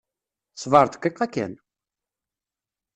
Sbeṛ dqiqa kan!